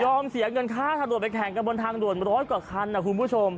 เสียเงินค่าทางด่วนไปแข่งกันบนทางด่วนร้อยกว่าคันนะคุณผู้ชม